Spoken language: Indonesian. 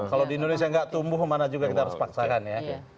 kalau di indonesia nggak tumbuh mana juga kita harus paksakan ya